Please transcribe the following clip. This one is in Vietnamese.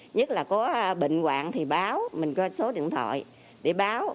nhất là có bệnh quạng thì báo mình có số điện thoại để báo